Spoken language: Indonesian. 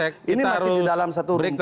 kita harus di dalam satu rumpung